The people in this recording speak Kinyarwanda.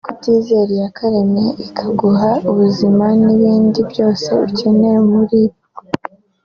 Kutizera iyakuremye ikaguha ubuzima n’ibindi byose ukenera muri bwo